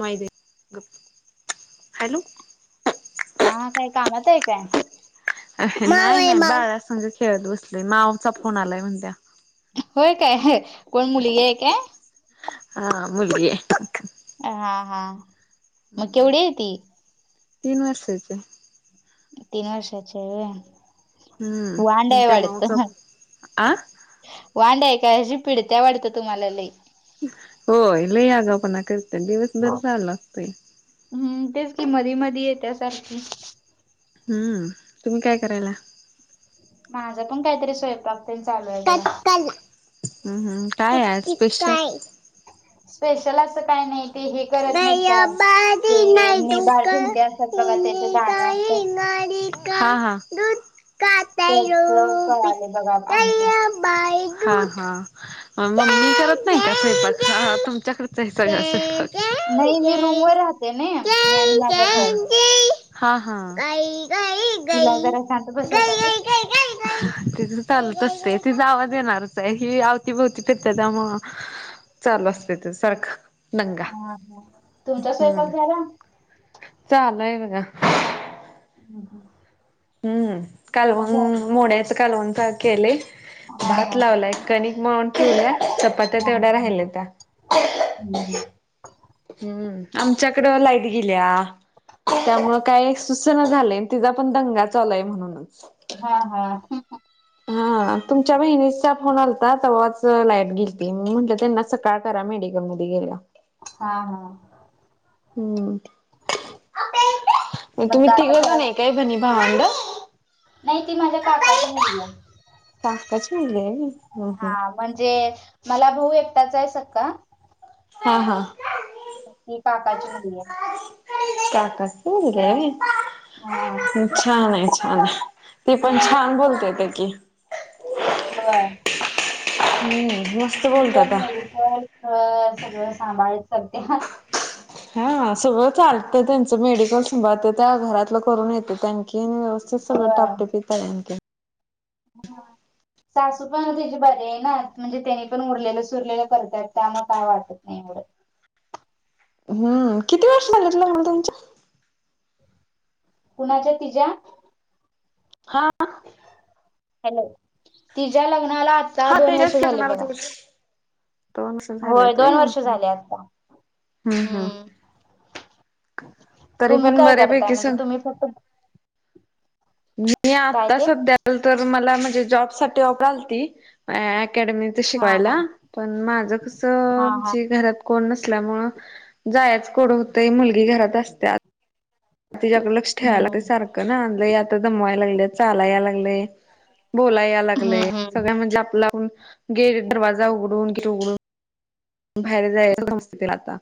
माहितेय गप. हॅलो! हा हा काय कामात आहे काय? अ नाही बाळा संग खेळत बसलोय मावूचा फोन आलाय म्हणत्या. होय काय कोण मुलगी आहे काय? हा मुलगीये. हा हा मग केवढी आहे ती? तीन वर्षाचीय तीन वर्षाच्ये. हम्म म्हणजे माऊचा अ वांड्या आहे काय अशी पिढ त्या वाटतं तुम्हाला लई होय लई आगाऊपणा करत दिवसभर चालू असतय हम्म तेच कि मधी, मधी येत्या सारखी हम्म तुम्ही काय करायला माझं पण काहीतरी स्वयंपाक चालू आहे बघा हम्, हम् काय आहे स्पेशल स्पेशल असं काय नाही ते हे करत नाहीत काय. ते निभार भेंडे असतात बघा त्याचे दाणे असतात. [unintelligible] हा, हा त्याच कळ आले बघा आमटी बाई हा, हा मम्मी करत नाही का स्वयंपाक तुमच्या कडच आहे सगळं स्वयंपाक नाही मी रूम वर राहते ना मी आणि माझा भाऊ हा, हा गाई गाय हिला जरा शांत बसवता का तिथ चालत असते ती आवाज येणारच आहे ही आवतीभवती फिरती त्यामुळ चालू असते ते सारखं नंगा ह तुमचा स्वयंपाक झाला चालुय बघा [unintelligible] हम्म मग कालवण कालवन केलय हां, भात हां. लावलाय कणिक मळून ठेवल्या चपात्या हां, तेवढ्या हां. राहिल्या त्या [unintelligible] हम्म आमच्याकडें लाईट गेल्या त्यामूळ काय सुूचना झालेय तिचा पण दंगा चालूय म्हणून हा, हा हम हा तुमच्या बहिणीचा फोन आलता तेव्हाच लाईट गेलती मी म्हटलं त्यांना सकाळ करा मेडिकलमध्येे गेल्या हा, हा हम्म मग तुम्ही का आता तिघ जण घरात आहे भणी भांवड नाही ती माझ्या काकाची मुलगी आहे काकाची मुलगी आहे होय हा म्हणजे मला भाऊ एकटाचय सक्का हा, हा ती काकाची मुलगी आहे काकांची मुलगी आहे हां. होय छान आहे, छान आहे ती पण छान बोलयेत्या की होय हम्म मस्त ती पण बोलत्याता मेडिकल सगळं सांभाळत करते हा हा सगळं चालत त्यांचं मेडिकल सांभाळत्याता घरातलं करून येतं त्या आणखीन सगळं होय. टापटेपीता आणक सासू पण त्याचे बरे आहे ना म्हणजे त्यांनी पण उरलेलं, सुरलेलं करतात त्यामुळे काय वाटत नाही एवढ हम्म किती वर्ष झालीत लग्नाला तुमच्या कुणाच्या तिज्या हा हॅलो तिज्या लग्नाला आता हा दोन वर्ष त्याच्याच झाले लग्नाला बघा दोन वर्ष होय झालेत व्हय दोन वर्ष झाले हम्म आता हम्म तरी तुम्ही पण काय करताय? बऱ्यापैकी म्हणजे सग तुम्ही फक्त मी काय आता ते सध्या तर मला म्हणजे जॉब साठी ऑफरलती अकॅडमिक हा हा शिकवायला पण माझ कस हा हा घरात कोण नसल्यामूळ जायच कोड होत, मुलगी घरात असते. तिच्याकडे लक्ष ठेवायला हम्म. ते सारखं कणा आणलय आत्ता दमवा लागलेत, चालाय याय लागलंय बोलाय हम्म लागलंय हम्म. सगळ म्हणजे [unintelligible] आप ग दवाजा उघडून उड बाहेर जायच समजतय आता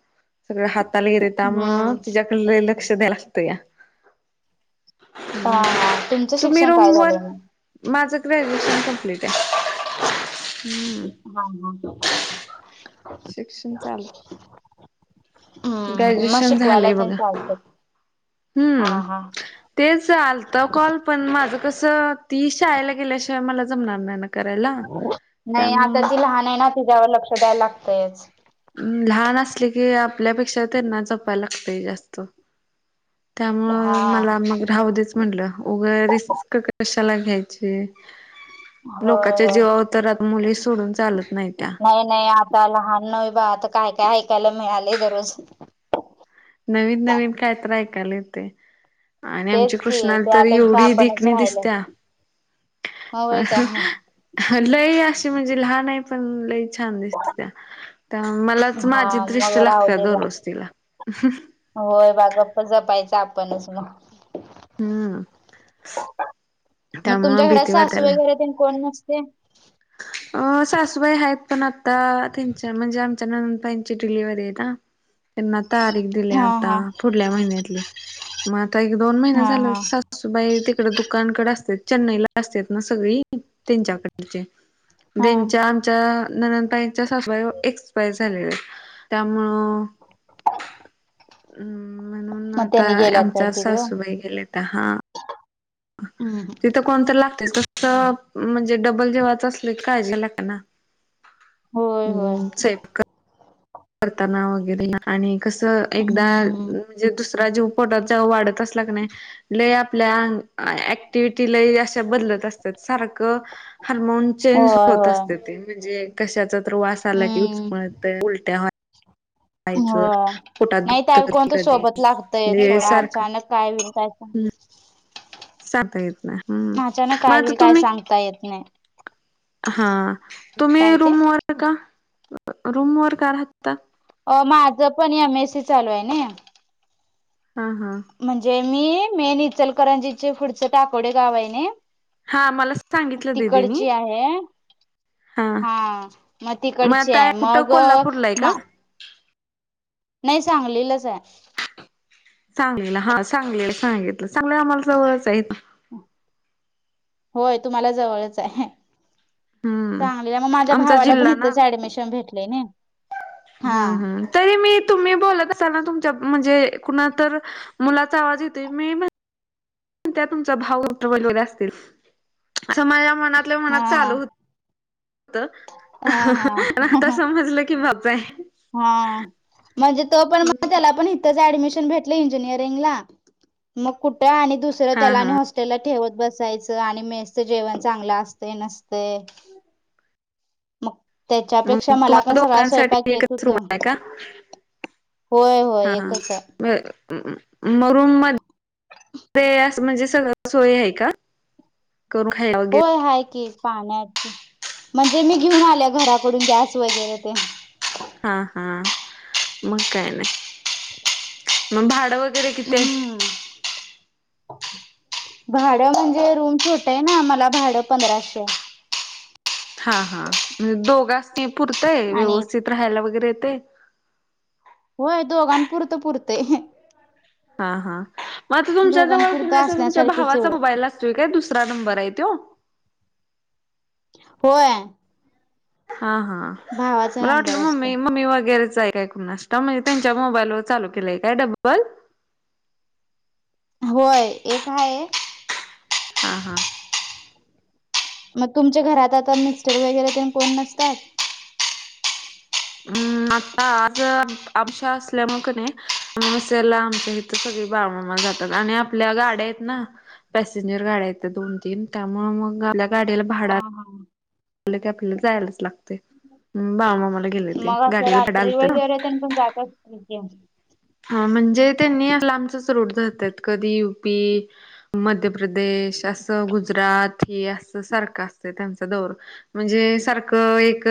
सगळ हाताला येतय त्यामुळ हम्म तिच्या ले लक्ष देयला लागतया हा हा तुमचं तुम्ही शिक्षण रूम काय झालंय वर मग? माझं ग्रॅज्युएशन कंप्लीट आहे हम्म हा ह शिक्षण चाल हा मग ग्रॅज्युएशन शिकवायला झालंय तेन बघा चालतय. हम्म तेच चालत कॉल पण माझं कसं ती शाळेला गेल्याशिवाय मला जमणार नाही ना करायला नाही आता त्यामुळं ती लहान आहे ना तिच्यावर लक्ष द्यायला लागतयच लहान असले की आपल्यापेक्षा त्यांना जपायला लागतय जास्त त्यामुळ हा. मला मग राव देच म्हटलं वगं रिस्क कशाला घ्यायचे होय लोकाच्या होय जीवावतरात मुली सोडून चालत नाही त्या नाही आप ता लहान नवहे बा आता काय काय ऐकायला मिळाले दररोज नवीन नवीन कायत्र ऐकाला येते आणि आमची तेच की कृष्णाला तरी त्यापेक्षा एवढी आपणच देखणी राहिलय. दिसत्या हो बाई का? लय अशी म्हणजे लहान आहे पण लय छान दिसत्या. तर मलाच हा माझी मग दृष्ट्य राहू लागते दे बा दररोज तिला होय बा गप्प जपायच आपणच मग हम्म तुमच्या त्यामुळं घरात भीती सासू वाटायला. वगैरे ते कोण नसते अ सासूबाई आहेत पण आता त्यांच्या म्हणजे आमच्या नंदबाईची डिलिवर्हरी आहे ना त्यांना तारीख दिल्या हा आता हा पुढल्या महिन्यातली मग आता एक दोन हा महिने झाले हा अससूबाई तिकड दुकानकडे असते चेन्नई ला असतात ना सगळी त्यांच्याकडचे हा त्यांच्या आमच्या ननंदताईंच्या सासई एक्सपायर झालेल्या त्यामुळ हम् म्हणून मग आता त्यांनी गेल्यात काय आमचा तिकडं सासूबाई गेले तर हा हम्म तिथं कोणतं लागत तस म्हणजे डबल जेव्हाच असल काळजे ला काना होय होय हम्म स करताना वगैरे आणि कसं एकदा हम्म हम्म म्हणजे दुसरा जीव पोटात जव वाढत असला की नाही लय आपल्या ऍक्टिव्हटी लय अशा बदलत असतात सारखं हरमोन चेंज होय होत होय असते ते म्हणजे कशाचा तर वास आला की हम्म उलट्या हो व्हायचं पोटात नाहीत दुखत कधी कोणतं कधी सोबत लागतंय म्हणजे सोडा सारखं अचानक काय वेळ कायच सांगता येत नाही हम्म नाचानक मग काय आता होल काय तुम्ही सांगता येत नाही हा तुम्ही काय ते रूमवर का रूमवर का राहतात अ माझं पण एमएससी चालू आहे ना हा हा म्हणजे मी मेन इचलकरंजीचे पुढचे टाकोडे गावा आहे नय हा मला सांगितलं दिदीनी तिकडची आहे हा मग तिकडचे आता आहे कुठं मग. कोल्हापूरला आहे का? नाही सांगलीलाच आहे सांगलीला हा सांगलीला सांगितलं चांगलं आम्हाला आहे होय तुम्हाला जवळच आहे. हम्म. चांगले मग माझ्या आमचा भावाला पण जिल्हा ना इथेच ऍडमिशन भेटलेय ना हम्म हम्म तरी मी तुम्ही बोलत असाल ना तुमच्या म्हणजे कुणा तर मुलाचा आवाज येत मी तुमच्या भाऊ [unintelligible] वगैरे असतील. हा हा तर आता हा समजलं की बाप आहे हा म्हणजे तो पण त्याला पण तेच भेटले इंजयरिंगला मग कुठे आणि दुसऱ्या त्याला आणि हा तेला ठेवत बसायचं आणि मेस् जेवण चांगलं असते नसते. मग तेच्यापेक्षा मग मला पण, तुम्हाला सगळा स्वयंपाक दोघांसाठी येतं. एकच किती रूम आहे का? होय होय एकच आहे म मग रूम मध्ये ते असे म्हणजे सगळं सोय आहे का? करून खा होय आहे की पाण्याचे म्हणजे मी घेऊन आल्या घराकडून गॅस वगैरे तेन. हां हां मग काय नाही. [inaudible] मग भाडं वगैरे किती आहे? हम्म भाडं म्हणजे रूम छोट आहे ना मला भाड पंधराशे आहे हा हा म्हणजे दोघ अस त पुरतय आणि व्यवस्थित राहायला वगैरे येते होय दोघां पुरतं पुरतं हा हां मग आता तुमच्या जवळ दोघांपुरतं कुणाचा तुमच्या असण्यासारखेच भावाचा एवढे मोबाईल असतोय काय दुसरा नंबर आहे तोय. होय.. हा हा, भावाचा मला नंबर वाटलं असतो मम्मी मम्मी वगैरेच आहे. कुणास ठाऊक म्हणजे त्यांच्या मोबाईल म्हणजे त्यांच्या मोबाईल व चालू केलंय काय डबल. होय एक आहे हा हा. मग तुमच्या घरात आता मिस्टर वगैरे कोण नसतात. ह् आता आज आमशा असल्या मग नाहीसेला आमच्या. सगळी बाळूमामाला जातात आणि आपल्या गाड्या आहेत ना. पॅसेंजर गाड्या आहेत दोन तीन त्यामुळे मग गाडीला हा भाडं हा की आपल्याला जायलाच लागते बाळमा मामाला गेले ते गाडीला भागना आलत. त्यांनी पण जातात कि तेन हा म्हणजे त्यांनी लांबचच रूट धरत्यात जातात कधी यु पी मध्य प्रदेश असं गुजरात हे असं सारखं असत त्यांचा दौर म्हणजे सारखं एक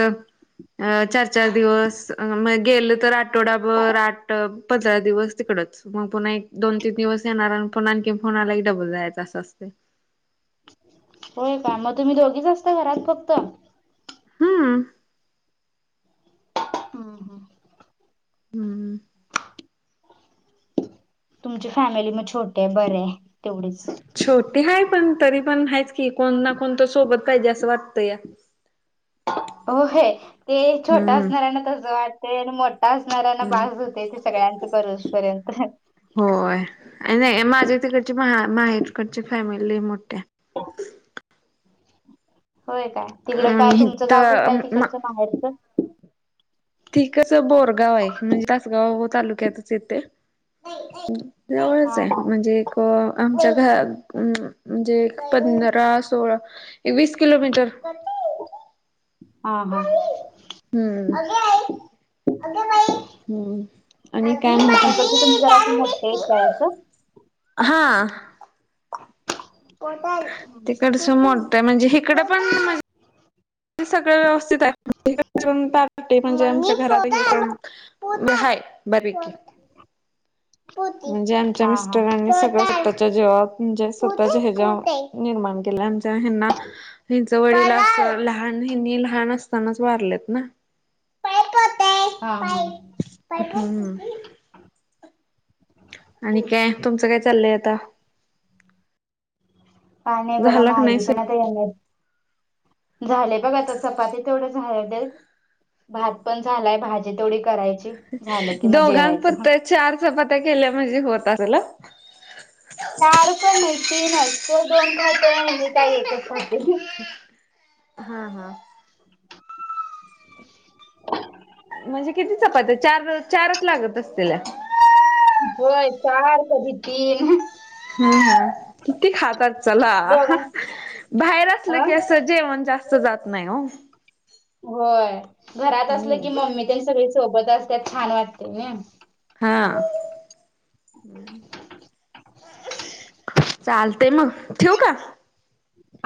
अ चार चार दिवस मग गेल तर आठवडाभर आठ पंधरा दिवस तिकडचं. मग पुन्हा एक दोन तीन दिवस येणार आणि पण आणखी फोन आला की एक डबल जायचं असं असतते. होय का मग तुम्ही दोघीच असता घरात फक्त. हम्म हम्म हम्म तुमची फॅमिली मग छोटे आहे बरे आहे तेवढीच. छोटी आहे पण तरी पण आहेच की कोण ना कोणतं सोबत पाहिजे असं वाटतं. हो हे ते छोटं हम्म असणार आहे ना तसं वाटते आणि मोठं असणाऱ्यांना हम्म बास होते, ते सगळ्यांच करुस पर्यंत. होय, आणि नाही माझं तिकडची मा-माहेरकडची फॅमिली मोठी आहे. होय काय, तिकड हाय. काय आणि तुमचं हित गाव कुठलं आहे म तिकडचं. माहेरचं. तिकडचं बोरगाव आहे, म्हणजे तासगाव तालुक्यातच येतंय. जवळच हा आहे, हा. म्हणजे एक. हो, आमच्या घर म्ह-म्हणजे पंधरा सोळा. वीस किलोमीटर. आ हां. हम अंग आई, अंग बाई हम. आणि काय मग. तिकडचं तुमची जरा असं, मोठी हायत काय असं. हां. हम्म. तिकडचं मोठं आहे, म्हणजे हिकडं पण म्हण ते सगळ व्यवस्थित आहे, पार म्हणजे आमच्या घरात [unintelligible] ब हाय बरं कि. म्हणजे, आमच्या हा हा मिस्टरांनी सगळच स्वतःच्या जिवावर. म्हणजे स्वतःचे हेजावर, निर्माण केलंय आमच्या हेंना. त्यावेळेला अस, लहान हेंनी लहान असतानाच वारलेत ना. हा हा. हम्. आणि काय, तुमचं काय चाललंय आता. पाहुणे बगा झाला का नाही माझी स पण आता येणार. झाले बघ आता, चपाती तेवढं झालेत. भात पण झालाय, भाजी तेवढी करायची. झालं कि मग जेवायचं हं. दोघांपुरतं चार चपात्या केल्या म्हणजे होतं असलं. चार पण नाही तीनच, तो दोन खातोय आणि मी काय एकच खातोय, अं हं. हा, हां म्हणजे किती चपात्या आहे चार चारच लागत असतेल्या होय, चार कधी तीन हं. हम्म किती खातात चला, हं दोघां बाहेर असलं अ की असं जेवण जास्त. जात नाही हो. व्हयं घरात असलं हम्म. की मम्मी तेण, सगळी सोबत असत्यात छान वाटते नी. हा. चालते मग ठेवू का?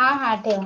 आ हां ठेवा.